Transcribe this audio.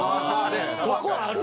「ここある？